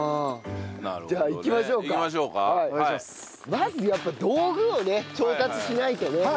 まずやっぱ道具をね調達しないとね。